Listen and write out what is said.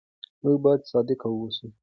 موږ باید صادق واوسو.